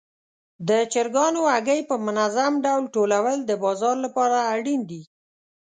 د چرګانو هګۍ په منظم ډول ټولول د بازار لپاره اړین دي.